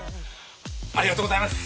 「ありがとうございます！」